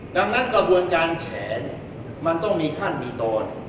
ดังนั้นกระบวนการแฉนมันต้องมีขั้นมีตอน